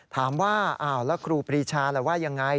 ถามว่าอ้าวแล้วครูปรีชาล่ะว่ายังไง